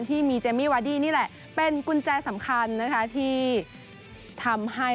ที่มีเจมมี่วาดี้นี่แหละเป็นกุญแจสำคัญนะคะที่ทำให้